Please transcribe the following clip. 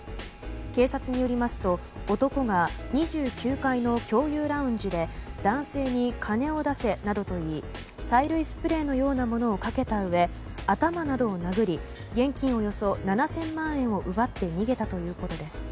警察によりますと男が２９階の共有ラウンジで男性に金を出せなどと言い催涙スプレーのようなものをかけたうえ頭などを殴り現金およそ７０００万円を奪って逃げたということです。